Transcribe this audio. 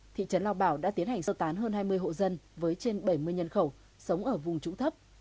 trên bảy mươi nhân khẩu sống ở vùng trũng thấp